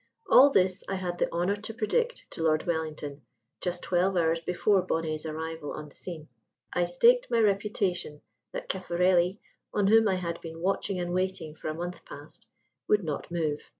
All this I had the honour to predict to Lord Wellington just twelve hours before Bonnet's arrival on the scene. I staked my reputation that Caffarelli (on whom I had been watching and waiting for a month past) would not move.